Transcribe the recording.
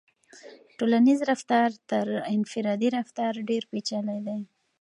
ټولنیز رفتار تر انفرادي رفتار ډېر پیچلی دی.